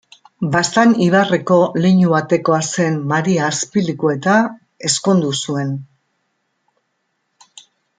Baztan ibarreko leinu batekoa zen Maria Azpilikueta ezkondu zuen.